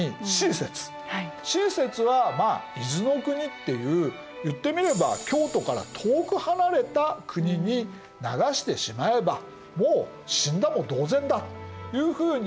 Ｃ説はまあ伊豆の国っていう言ってみれば京都から遠く離れた国に流してしまえばもう死んだも同然だというふうに平清盛が思った。